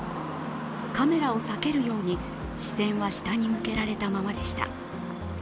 カメラを避けるように、視線は下に向けられたままでした。